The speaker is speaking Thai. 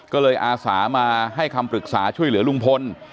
ก็เลยอาสามาให้คำปรึกษาช่วยเหลือลุงพล